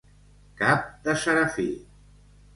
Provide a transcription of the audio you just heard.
Cap de serafí.